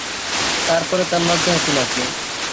তার পরে তার লজ্জা হতে লাগল।